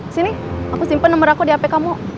sini aku simpen nomer aku di hp kamu